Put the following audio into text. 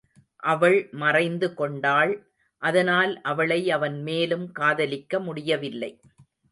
அவள் மறைந்து கொண்டாள் அதனால் அவளை அவன் மேலும் காதலிக்க முடியவில்லை.